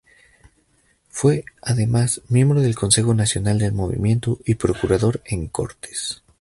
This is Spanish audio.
Fue, además, miembro del Consejo nacional del Movimiento y procurador en Cortes.